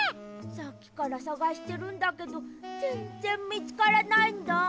さっきからさがしてるんだけどぜんぜんみつからないんだ。